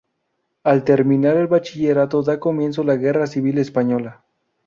Al terminar el bachillerato da comienzo la Guerra Civil Española.